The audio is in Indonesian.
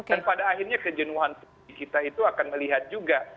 dan pada akhirnya kejenuhan kita itu akan melihat juga